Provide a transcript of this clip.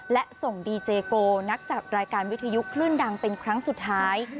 และส่งดีเจโกนักจัดรายการวิทยุคลื่นดังเป็นครั้งสุดท้าย